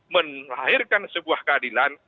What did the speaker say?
melahirkan sebuah keadilan